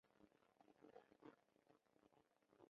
这一系列的游行示威事件及学生运动称为四月革命。